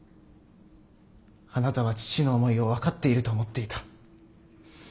あなたは父の思いを分かっていると思っていた。